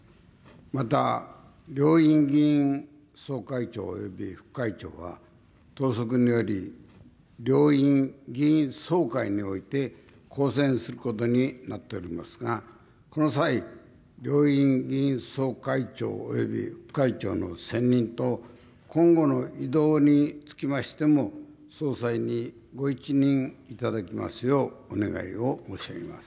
また、両院議員総会長および副会長は、党則により、両院議員総会において、公選することになっておりますが、この際、両院議員総会長および副会長の選任と、今後の異動につきましても、総裁にご一任いただきますようお願いを申し上げます。